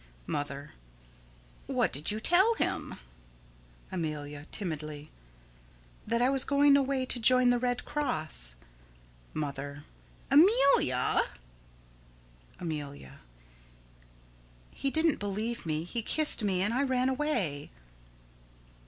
Mother: What did you tell him? Amelia: [Timidly.] That I was going away to join the Red Cross. Mother: Amelia! Amelia: He didn't believe me. He kissed me and I ran away.